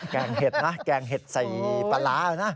งเห็ดนะแกงเห็ดใส่ปลาร้านะ